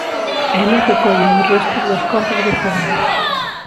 Eles recollen os restos das compras dos fogares.